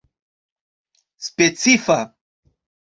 specifa